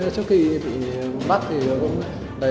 trước khi bị bắt thì cũng đấy